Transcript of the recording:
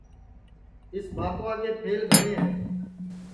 اِس بھاتوا کے پَھل گھٹؔے ہے